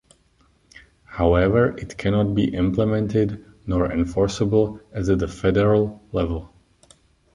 However, it cannot be implemented nor enforceable at the Federal level.